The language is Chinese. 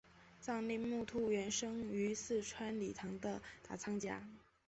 藏历木兔年生于四川理塘的达仓家。